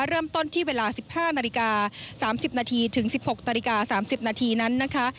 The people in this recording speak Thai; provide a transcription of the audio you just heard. เริ่มต้นที่เวลา๑๕นาฬิกา๓๐นาทีถึง๑๖นาฬิกา๓๐นาทีนั้นนะคะ